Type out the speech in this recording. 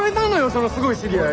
その「すごい知り合い」。